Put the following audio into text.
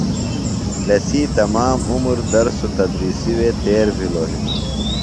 لسی تمامی عمر درس و تدریسی وے تیر بھِلوۡ ہِنوۡ۔